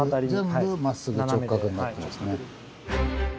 全部まっすぐ直角になってますね。